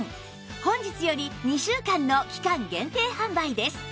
本日より２週間の期間限定販売です！